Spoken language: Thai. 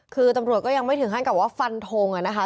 คือตำรวจก็ยังไม่ถึงขั้นกับว่าฟันทงอะนะคะ